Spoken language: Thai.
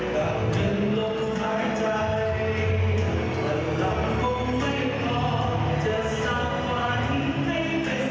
ถึงมาเท่าไหร่ของคุณคนเนี่ย